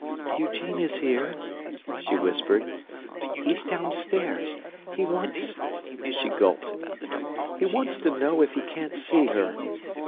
"Eugene is here," she whispered. "He's downstairs. He wants—" She gulped. "He wants to know if he can't see her.